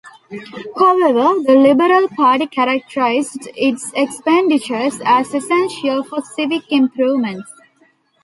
However, the Liberal Party characterized its expenditures as essential for civic improvements.